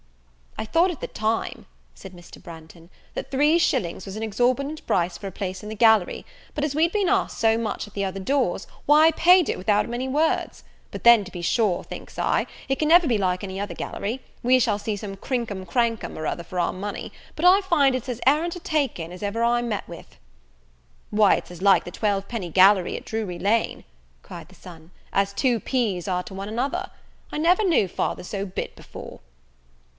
"I thought at the time," said Mr. Branghton, "that three shillings was an exorbitant price for a place in the gallery: but as we'd been asked so much at the other doors, why I paid it without many words; but, then, to be sure, thinks I, it can never be like any other gallery, we shall see some crinkum crankum or other for our money; but I find it's as arrant a take in as ever I met with." "Why, it's as like the twelve penny gallery at Drury Lane," cried the son, "as two peas are to one another. I never knew father so bit before."